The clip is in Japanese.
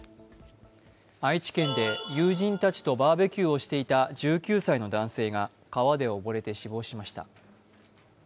愛知県で友人たちとバーベキューをしていた１９歳の男性が川で溺れて死亡しました。